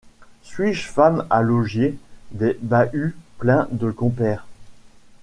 Suis-je femme à logier des bahuts pleins de compères?